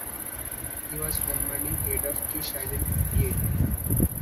He was formerly head of Kish Island Free Area.